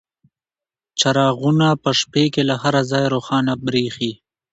چراغونه په شپې کې له هر ځایه روښانه بریښي.